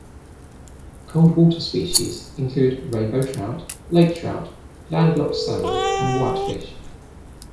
Cold water species include rainbow trout, lake trout, landlocked salmon, and whitefish.